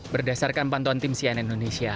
berdasarkan pantuan tim sian indonesia